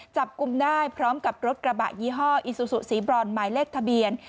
จับกลุ่มได้พร้อมกับรถกระบะยี่ห้ออีซูซูสีบรอนหมายเลขทะเบียน